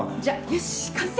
よし完成！